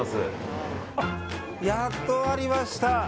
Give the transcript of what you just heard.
やっとありました。